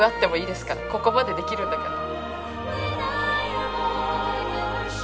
ここまでできるんだから。